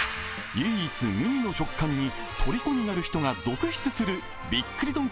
唯一無二の食感にとりこになる人が続出するびっくり